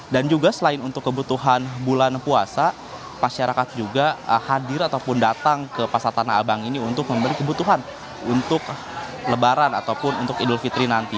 dan juga selain untuk kebutuhan bulan puasa masyarakat juga hadir ataupun datang ke pasar tanah abang ini untuk memberi kebutuhan untuk lebaran ataupun untuk idul fitri nanti